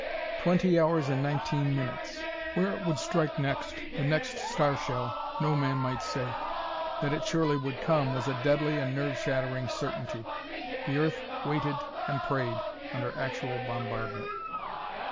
Twenty hours and nineteen minutes! Where it would strike, the next star shell, no man might say; that it surely would come was a deadly and nerve shattering certainty. The earth waited and prayed under actual bombardment.